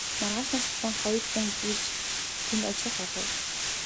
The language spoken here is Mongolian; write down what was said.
Маргаашаас нь эхлэн хоёр хүн ирж тэнд ажиллах болов.